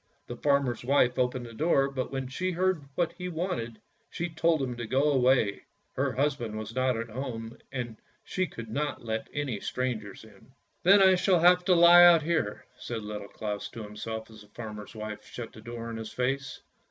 The farmer's wife opened the door, but when she heard what he wanted, she told him to go away; her husband was not at home, and she could not let any strangers in. " Then I shall have to lie out here," said Little Claus to himself as the farmer's wife shut the door in his face.